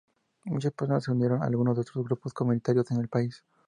Muchas personas se unieron, algunos de otros grupos comunitarios en el país.